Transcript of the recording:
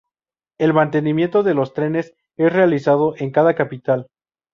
El mantenimiento de los trenes es realizado en cada capital.